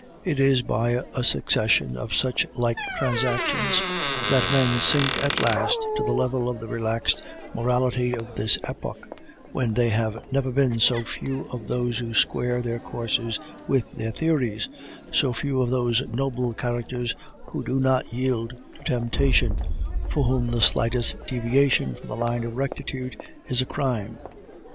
It is by a succession of such like transactions that men sink at last to the level of the relaxed morality of this epoch, when there have never been so few of those who square their courses with their theories, so few of those noble characters who do not yield to temptation, for whom the slightest deviation from the line of rectitude is a crime.